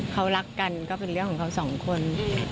เขารักกันก็เป็นเรื่องของเขาสองคน